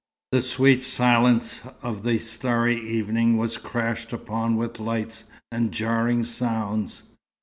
The sweet silence of the starry evening was crashed upon with lights and jarring sounds.